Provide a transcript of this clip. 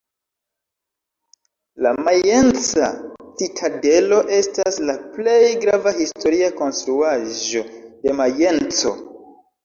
La Majenca citadelo estas la plej grava historia konstruaĵo de Majenco.